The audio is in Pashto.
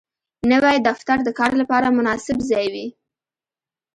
نوی دفتر د کار لپاره مناسب ځای وي